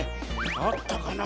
あったかな？